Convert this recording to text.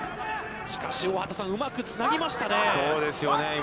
しかし大畑さん、うまくつなぎましたね。